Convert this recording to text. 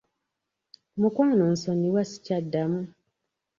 Mukwano nsonyiwa sikyaddamu.